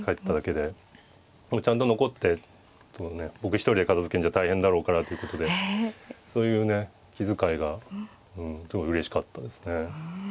でもちゃんと残って僕一人で片づけるんじゃ大変だろうからということでそういうね気遣いがすごいうれしかったですね。